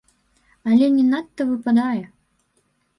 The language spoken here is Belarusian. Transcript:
Але не надта выпадае.